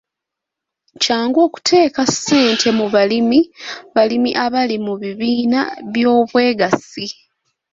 Kyangu okuteeka ssente mu balimi balimi abali mu bibiina by'obwegassi.